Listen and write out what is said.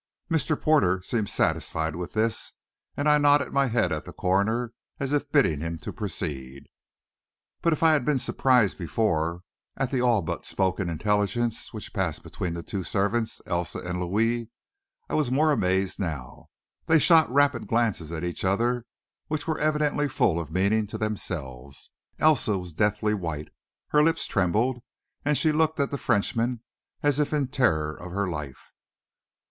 Mr. Porter seemed satisfied with this, and I nodded my head at the coroner, as if bidding him to proceed. But if I had been surprised before at the all but spoken intelligence which passed between the two servants, Elsa and Louis, I was more amazed now. They shot rapid glances at each other, which were evidently full of meaning to themselves. Elsa was deathly white, her lips trembled, and she looked at the Frenchman as if in terror of her life.